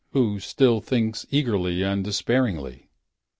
Who still thinks eagerly And despairingly.